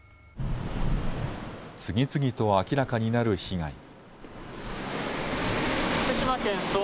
次々と明らかになる被害。